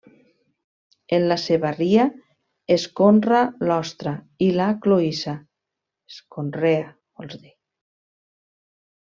En la seva ria es conra l'ostra i la cloïssa.